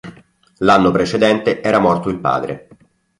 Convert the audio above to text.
L'anno precedente era morto il padre.